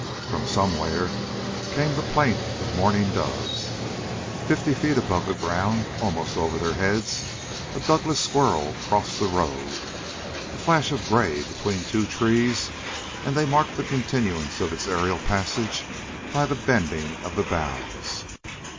From somewhere came the plaint of a mourning dove. Fifty feet above the ground, almost over their heads, a Douglas squirrel crossed the road a flash of gray between two trees; and they marked the continuance of its aerial passage by the bending of the boughs.